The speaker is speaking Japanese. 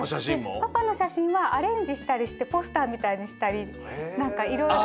パパのしゃしんはアレンジしたりしてポスターみたいにしたりなんかいろいろと。